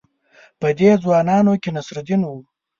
په دې ځوانانو کې نصرالدین وو.